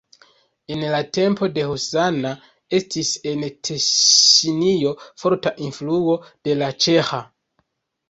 En la tempo de husana estis en Teŝinio forta influo de la ĉeĥa.